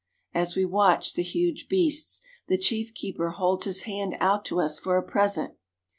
As we watch the huge beasts, the chief keeper holds his hand out to us for a present.